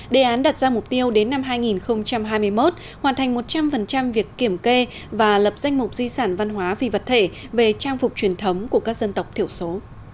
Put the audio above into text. đề án đặt ra mục tiêu đến năm hai nghìn hai mươi một hoàn thành một trăm linh việc kiểm kê và lập danh mục di sản văn hóa vì vật thể về trang phục truyền thống của các dân tộc thiểu số